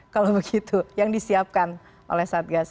kalau begitu yang disiapkan oleh satgas